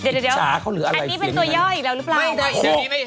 อิจฉาเขาหรืออะไรเสียงไงอันนี้เป็นตัวย่ออีกแล้วหรือเปล่า